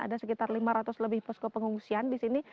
ada sekitar lima ratus lebih posko pengungsian di sini